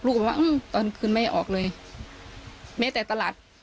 ก็บอกว่าตอนคืนไม่ออกเลยแม้แต่ตลาด